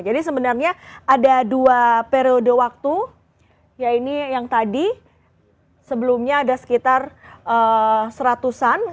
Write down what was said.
jadi sebenarnya ada dua periode waktu ya ini yang tadi sebelumnya ada sekitar seratusan